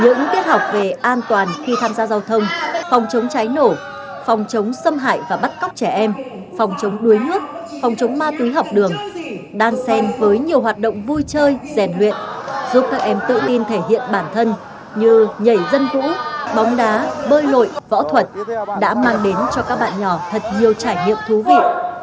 những tiết học về an toàn khi tham gia giao thông phòng chống cháy nổ phòng chống xâm hại và bắt cóc trẻ em phòng chống đuối nước phòng chống ma túy học đường đan sen với nhiều hoạt động vui chơi rèn luyện giúp các em tự tin thể hiện bản thân như nhảy dân vũ bóng đá bơi lội võ thuật đã mang đến cho các bạn nhỏ thật nhiều trải nghiệm thú vị